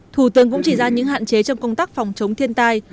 thủ tướng cũng chỉ ra những hạn chế trong công tác phòng chống thiên tai